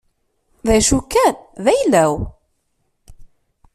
D acu kan, d ayla-w.